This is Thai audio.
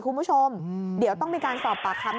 คุณผู้ชมเดี๋ยวต้องมีการสอบปากคำ